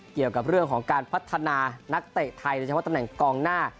เกี่ยวกับเรื่องของการพัฒนานักเตะไทยโดยเฉพาะตำแหน่งกองหน้า